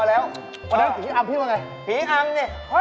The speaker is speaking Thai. ถ้าเราถ่ายผีดิบเหยอะก็ถูกกันเอง